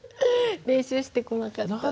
練習してこなかった。